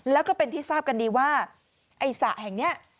แล้วก็เป็นที่ทราบกันดีว่าไอ้สระแห่งนี้